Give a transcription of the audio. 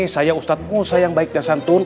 saya ustadz musa yang baiknya santun